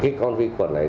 cái con vi quần này